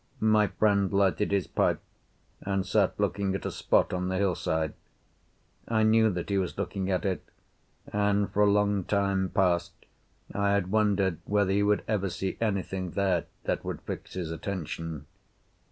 My friend lighted his pipe and sat looking at a spot on the hillside. I knew that he was looking at it, and for a long time past I had wondered whether he would ever see anything there that would fix his attention.